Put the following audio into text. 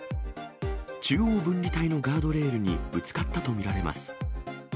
中央分離帯のガードレールにぶつかったと見られます。